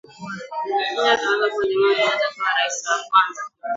Kenya ilitangazwa kuwa jamhuri Kenyatta akawa rais wa kwanza